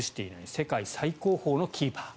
世界最高峰のキーパー。